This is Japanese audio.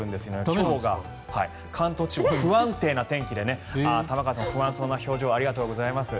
今日が関東地方、不安定な天気で玉川さん、不安そうな表情ありがとうございます。